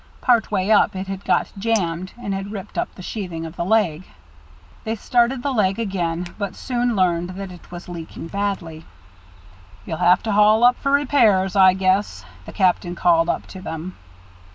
Part way up it had got jammed and had ripped up the sheathing of the leg. They started the leg again, but soon learned that it was leaking badly. "You'll have to haul up for repairs, I guess," the captain called up to them.